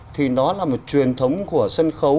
thì nó là một truyền thống của sân khấu